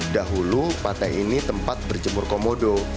dahulu pantai ini tempat berjemur komodo